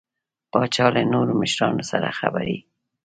پاچا له نورو مشرانو سره خبرې